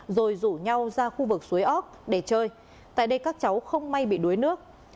rồi rủ nhau ra khu vực suối óc để chơi tại đây các cháu không may bị đuối nước